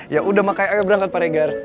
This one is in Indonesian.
yaudah makanya berangkat pak regar